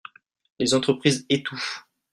Les entreprises étouffent.